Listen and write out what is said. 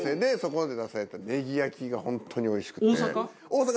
大阪？